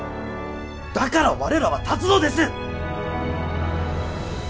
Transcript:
だから我らは立つのです！